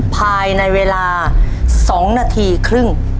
ภายในเวลา๒นาทีครึ่ง